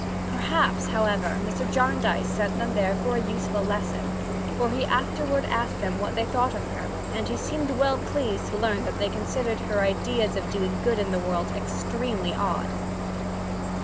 Perhaps, however, Mr. Jarndyce sent them there for a useful lesson, for he afterward asked them what they thought of her, and he seemed well pleased to learn that they considered her ideas of doing good in the world extremely odd.